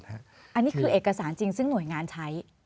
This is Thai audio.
อันนี้คือเอกสารจริงซึ่งหน่วยงานใช้